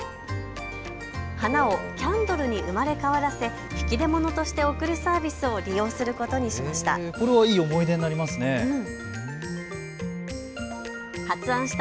花をキャンドルに生まれ変わらせ引き出物として贈るサービスを利用することにしました。